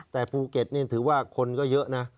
แต่ภูเก็ตนี่ถือว่าคนก็เยอะนะ